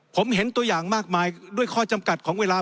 ผมเห็นตัวอย่างมากมายด้วยข้อจำกัดของเวลา